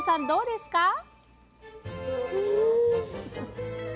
どうですか？